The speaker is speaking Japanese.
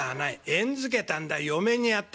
縁づけたんだ嫁にやったんだ。